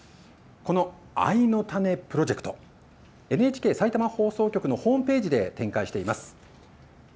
この藍のたねプロジェクト、ＮＨＫさいたま放送局のホームページで展開しています。